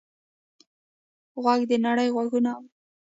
غوږ د نړۍ غږونه اوري.